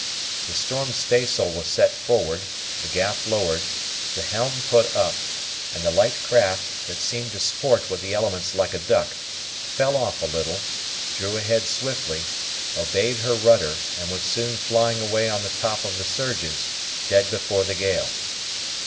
The storm staysail was set forward, the gaff lowered, the helm put up, and the light craft, that seemed to sport with the elements like a duck, fell off a little, drew ahead swiftly, obeyed her rudder, and was soon flying away on the top of the surges, dead before the gale.